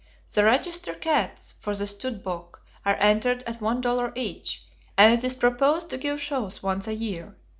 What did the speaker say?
The register cats for the stud book are entered at one dollar each, and it is proposed to give shows once a year.